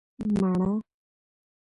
🍏 مڼه